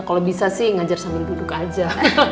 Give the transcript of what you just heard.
kalau bisa sih ngajar sambil duduk aja